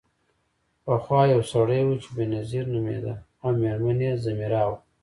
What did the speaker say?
پخوا یو سړی و چې بینظیر نومیده او میرمن یې ځمیرا وه.